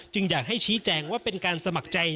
อยากให้ชี้แจงว่าเป็นการสมัครใจ